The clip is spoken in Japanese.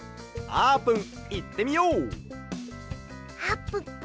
あーぷん！